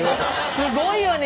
すごいわね